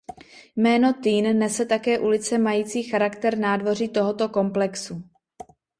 Jméno Týn nese také ulice mající charakter nádvoří tohoto komplexu.